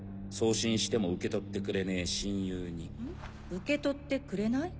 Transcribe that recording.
受け取ってくれない？